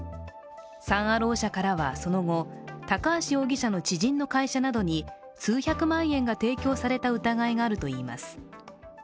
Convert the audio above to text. サン・アロー社からはその後、高橋容疑者の知人の会社などに数百万円が提供された疑いがあるといいます。